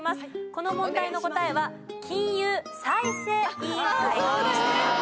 この問題の答えは金融再生委員会でした。